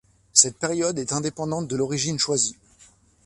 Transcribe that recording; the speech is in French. Cette période est indépendante de l’origine choisie.